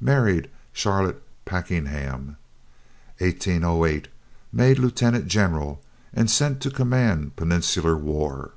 Married Charlotte Packenham. 1808. Made lieutenant general, and sent to command Peninsular War.